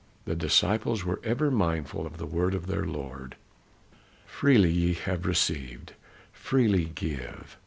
The disciples were ever mindful of the word of their Lord, "Freely ye have received, freely give."